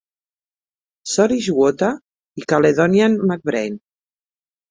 Sottish Water i Caledonian MacBrayne.